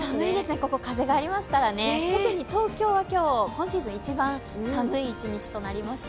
ここ風がありますからね、特に東京は今日、今シーズン一番寒い一日と成りました。